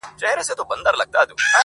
ادبي نړۍ کي نوم لري تل,